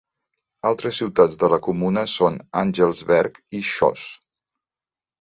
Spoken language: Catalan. Altres ciutats de la comuna són Angelsberg i Schoos.